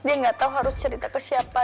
dia nggak tahu harus cerita ke siapa